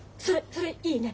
それいいね。